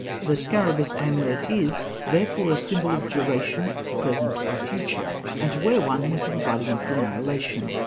The scarabaeus amulet (fig. 214) is therefore a symbol of duration, present or future; and to wear one was to provide against annihilation.